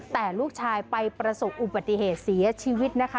แต่ลูกชายไปประสบอุบัติเหตุเสียชีวิตนะคะ